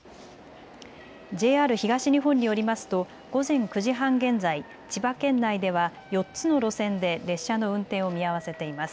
ＪＲ東日本によりますと午前９時半現在、千葉県内では４つの路線で列車の運転を見合わせています。